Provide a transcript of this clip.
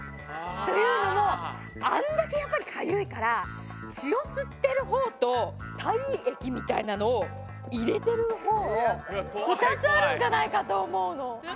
というのもあんだけやっぱりかゆいから血を吸ってる方と体液みたいなのを入れてる方２つあるんじゃないかと思うの。